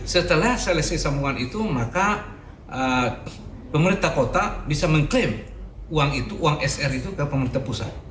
setelah selesai sambungan itu maka pemerintah kota bisa mengklaim uang itu uang sr itu ke pemerintah pusat